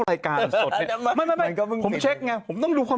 รายการสดไม่ไม่ไม่ไม่ไม่ก็มึงเช็คไงผมต้องดูความ